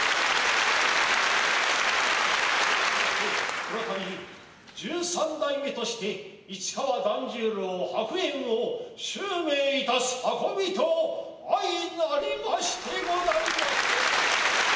このたび十三代目として市川團十郎白猿を襲名いたす運びと相成りましてござりまする。